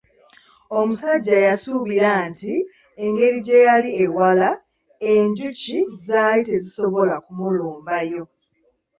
Omusajja yasuubira nti engeri gye yali ewala enjuki zaali tezisobola kumulumbayo.